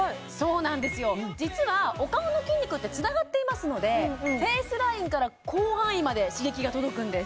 実はお顔の筋肉ってつながっていますのでフェイスラインから広範囲まで刺激が届くんです